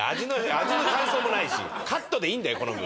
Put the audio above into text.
味の感想もないしカットでいいんだよ、このＶ。